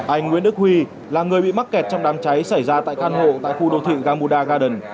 anh nguyễn đức huy là người bị mắc kẹt trong đám cháy xảy ra tại căn hộ tại khu đô thị gamuda garden